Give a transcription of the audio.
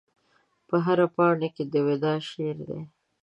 په هره پاڼه کې د وداع شعر دی